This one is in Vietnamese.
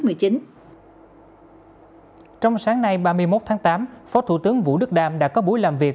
trong sáng nay ba mươi một tháng tám phó thủ tướng vũ đức đam đã có buổi làm việc